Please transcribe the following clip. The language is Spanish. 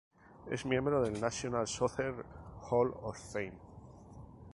Es miembro del "National Soccer Hall of Fame".